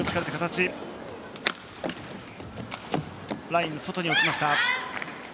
ラインの外に落ちました。